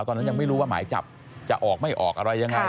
ตอนนั้นยังไม่รู้ว่าหมายจับจะออกไม่ออกอะไรยังไง